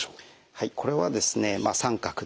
はい。